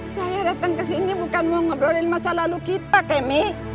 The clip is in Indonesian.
saya datang ke sini bukan mau ngobrolin masa lalu kita kemi